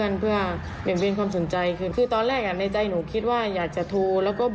อ่าเนี่ยครับคุณผู้ชมครับแล้วหลักฐานอีกอย่างหนึ่งนะครับ